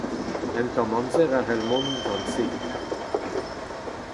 Un tamm amzer a c'hall mont gant se.